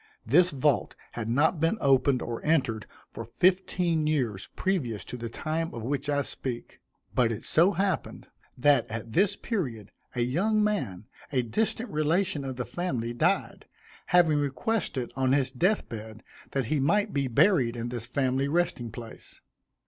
This vault had not been opened or entered for fifteen years previous to the time of which I speak; but it so happened, that at this period, a young man, a distant relation of the family, died, having requested on his death bed, that he might be buried in this family resting place.